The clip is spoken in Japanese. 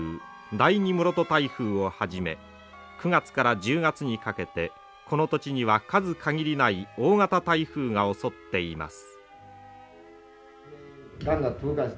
第２室戸台風をはじめ９月から１０月にかけてこの土地には数限りない大型台風が襲っています。